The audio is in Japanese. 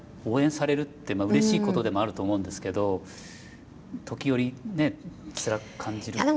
応援されるってうれしいことでもあると思うんですけど時折ねつらく感じる。